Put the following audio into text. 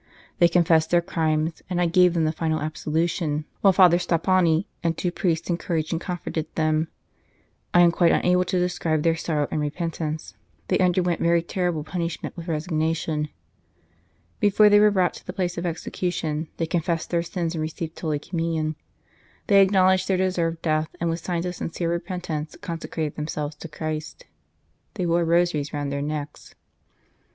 They confessed their crimes, and I gave them the final absolution, while Father Stoppani and two priests encouraged and comforted them. I am quite unable to describe their sorrow and repentance ; they underwent their terrible punish ment with resignation. Before they were brought to the place of execution, they confessed their sins and received Holy Communion. They acknow ledged they deserved death, and with signs of sincere repentance consecrated themselves to Christ. They wore rosaries round their necks.